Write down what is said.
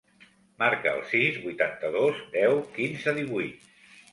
Marca el sis, vuitanta-dos, deu, quinze, divuit.